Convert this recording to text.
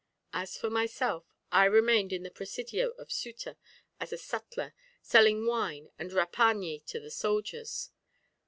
As for myself, I remained in the presidio of Ceuta as a sutler, selling wine and repañí to the soldiers.